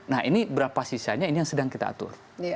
nah ini berapa sisanya ini yang sedang kita atur